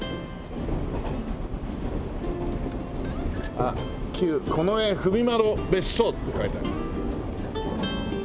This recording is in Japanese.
あっ「旧近衛文麿別荘」って書いて。